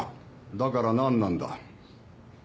だから何なんだ？